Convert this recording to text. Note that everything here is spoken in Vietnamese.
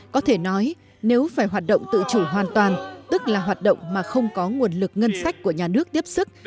có thể nói nếu phải hoạt động tự chủ hoàn toàn tức là hoạt động mà không có nguồn lực ngân sách của nhà nước tiếp sức